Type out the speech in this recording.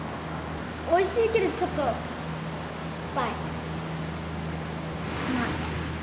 おいしいけどちょっとしょっぱい。